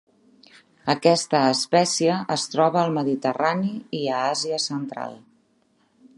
Aquesta espècie es troba al Mediterrani i a Àsia Central.